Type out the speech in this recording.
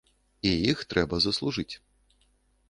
І іх трэба заслужыць.